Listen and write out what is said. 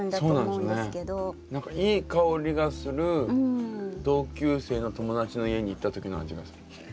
何かいい香りがする同級生の友達の家に行った時の味がする。